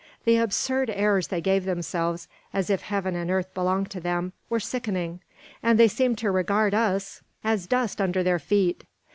The absurd airs they gave themselves, as if heaven and earth belonged to them, were sickening; and they seemed to regard us as dust under their feet.